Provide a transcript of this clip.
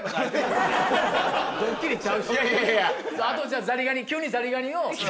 あとじゃあザリガニ。